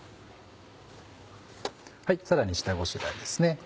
さらに下ごしらえですね。